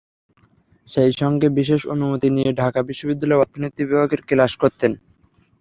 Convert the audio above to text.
সেই সঙ্গে বিশেষ অনুমতি নিয়ে ঢাকা বিশ্ববিদ্যালয়ে অর্থনীতির বিভাগে ক্লাস করতেন।